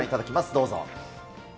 どうぞ。